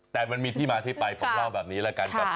แต่มันมีที่มาที่ไปผมเล่าแบบนี้แล้วกันกับ